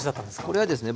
これはですね